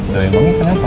tuh emangnya kenapa